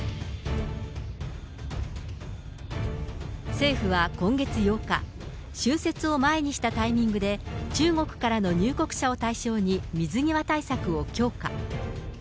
政府は今月８日、春節を前にしたタイミングで、中国からの入国者を対象に、水際対策を強化。